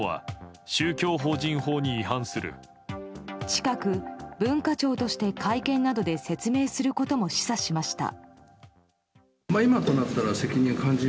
近く文化庁として会見などで説明することも示唆しました。